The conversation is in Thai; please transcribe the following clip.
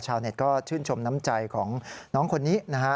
ชาวเน็ตก็ชื่นชมน้ำใจของน้องคนนี้นะฮะ